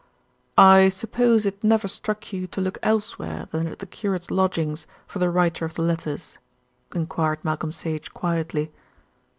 "I suppose it never struck you to look elsewhere than at the curate's lodgings for the writer of the letters?" enquired Malcolm Sage quietly.